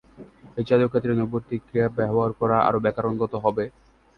এ জাতীয় ক্ষেত্রে নৈর্ব্যক্তিক ক্রিয়া ব্যবহার করা আরও ব্যাকরণগত হবে।